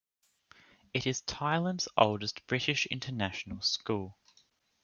It is Thailand's oldest British international school.